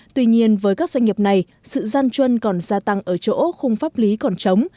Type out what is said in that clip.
tuy nhiên với các doanh nghiệp này sự gian truân còn gia tăng ở chỗ khung pháp lý còn chống